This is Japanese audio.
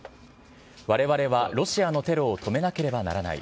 われわれはロシアのテロを止めなければならない。